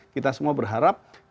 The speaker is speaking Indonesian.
kita semua berharap